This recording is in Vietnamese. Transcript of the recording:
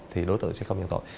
thì đối tượng sẽ không nhận tội